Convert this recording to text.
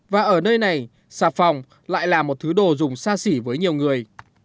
và ở nơi này xà phòng lại là một thứ đồ dùng xa xỉ với nhiều người